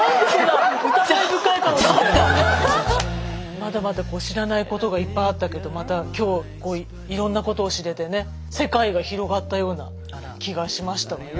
まだまだ知らないことがいっぱいあったけどまた今日いろんなことを知れてね世界が広がったような気がしましたわよ。